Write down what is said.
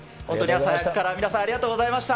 朝早くから、皆さん、ありがとうございました。